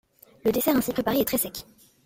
Le dessert ainsi préparé est très sec.